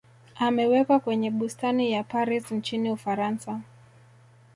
amewekwa kwenye bustani ya paris nchini ufaransa